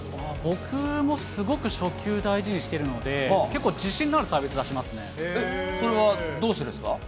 僕もすごく初球大事にしてるので、結構、それはどうしてですか？